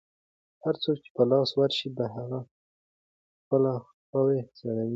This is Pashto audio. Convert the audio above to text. هر څوک چې په لاس ورشي، په هغه خپلې خواوې سړوي.